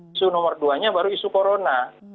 isu nomor duanya baru isu corona